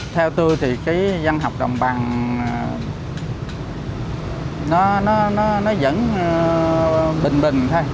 theo tôi thì cái văn học đồng bằng nó vẫn bình bình thôi